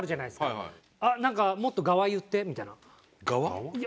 なんか「もっと側言って」みたいな。側？